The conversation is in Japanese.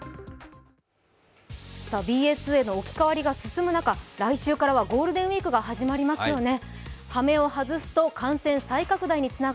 ＢＡ．２への置き換わりが進む中、来週からはゴールデンウイークが始まりますよね。